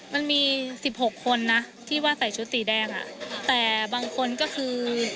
มันมีสิบหกคนนะที่ว่าใส่ชุดสีแดงอ่ะแต่บางคนก็คือ